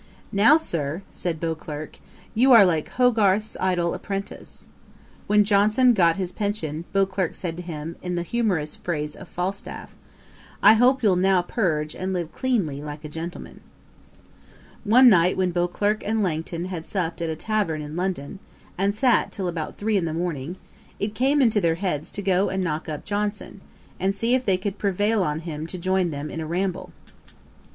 'Now, Sir, (said Beauclerk) you are like Hogarth's Idle Apprentice.' When Johnson got his pension, Beauclerk said to him, in the humorous phrase of Falstaff, 'I hope you'll now purge and live cleanly like a gentleman.' [Page 251: A frisk with Beuclerk and Langton. Ætat 44.] One night when Beauclerk and Langton had supped at a tavern in London, and sat till about three in the morning, it came into their heads to go and knock up Johnson, and see if they could prevail on him to join them in a ramble.